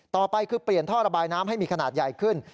ต่อไปคือเปลี่ยนท่อระบายน้ำให้มีขนาดใหญ่ขึ้น